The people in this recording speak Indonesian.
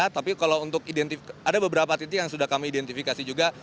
tapi kalau untuk identifikasi ada beberapa titik yang sudah kami identifikasi juga